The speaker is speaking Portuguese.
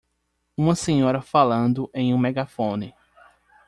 Uma senhora falando em um megafone.